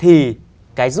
thì cái du lịch